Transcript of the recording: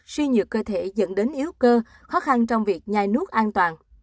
suy nhược cơ thể dẫn đến yếu cơ khó khăn trong việc nhai nước an toàn